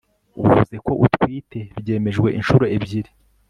uvuze ko utwite, byemejwe inshuro ebyiri